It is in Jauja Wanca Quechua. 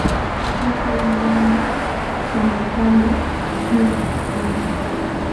Kallpawanlaqmi kamakaqluu lulapakuyniita.